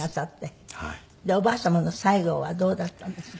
でおばあ様の最期はどうだったんですか？